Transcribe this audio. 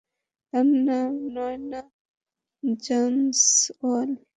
তার নাম নায়না জয়সওয়াল।